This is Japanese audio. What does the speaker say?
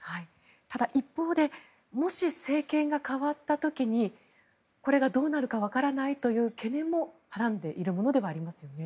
ただ、一方でもし政権が代わった時にこれがどうなるかわからないという懸念をはらんでいるものではありますよね。